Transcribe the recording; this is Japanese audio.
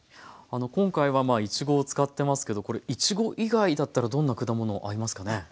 今回はいちごを使ってますけどこれいちご以外だったらどんな果物合いますかね？